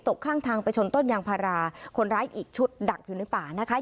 ข้างทางไปชนต้นยางพาราคนร้ายอีกชุดดักอยู่ในป่านะคะ